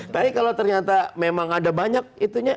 tapi kalau ternyata memang ada banyak itunya